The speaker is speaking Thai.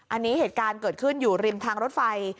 อันนี้เหตุการณ์เกิดขึ้นอยู่ริมทางรถไฟ